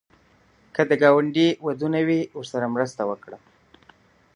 که ګاونډي ته ودونه وي، ورسره مرسته وکړه